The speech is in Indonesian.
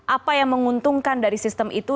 apa yang menguntungkan dari sistem itu